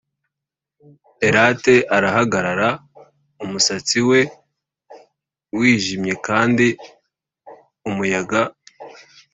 elate arahagarara; umusatsi we wijimye kandi umuyaga